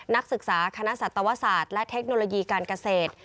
นักศึกษาคณะสัตวศาสตร์และเทคโนโลยีการเกษตร